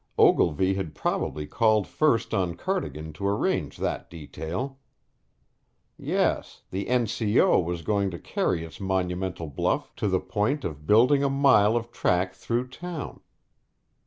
Ogilvy had probably called first on Cardigan to arrange that detail. Yes, the N. C. O. was going to carry its monumental bluff to the point of building a mile of track through town.